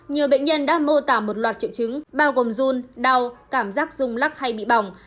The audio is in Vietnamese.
nhiều bệnh nhân đã mô tả một loạt triệu chứng bao gồm run đau cảm giác rung lắc hay bị bỏng